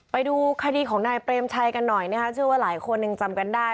ไปดูค่านี้ของนายเบรมชัยกันหน่อยชื่อว่าหลายคนจำกันได้